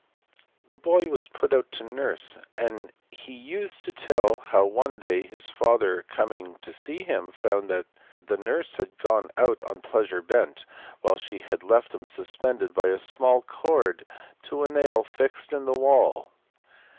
The boy was put out to nurse, and he used to tell how one day his father coming to see him found that the nurse had gone out on pleasure bent, while she had left him suspended by a small cord to a nail fixed in the wall.